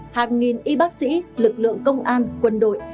hàng nghìn y bác sĩ lực lượng công an quân đội